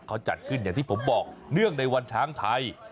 เขาจัดขึ้นอย่างที่ผมบอกเนื่องในวันช้างไทย